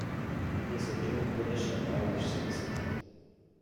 He is a dual British and Irish citizen.